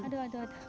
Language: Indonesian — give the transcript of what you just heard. aduh aduh aduh